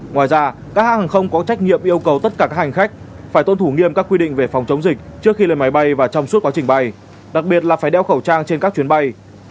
ngoài ra các hàng không có trách nhiệm yêu cầu tất cả các hành khách phải tuân thủ nghiêm các quy định về phòng chống dịch trước khi lên máy bay và trong suốt quá trình bay đặc biệt là phải đeo khẩu trang trên các chuyến bay